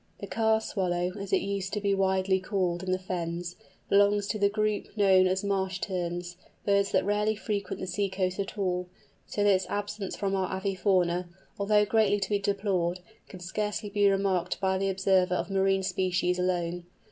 The "Car Swallow," as it used to be widely called in the fens, belongs to the group known as Marsh Terns—birds that rarely frequent the sea coast at all, so that its absence from our avi fauna, although greatly to be deplored, could scarcely be remarked by the observer of marine species alone.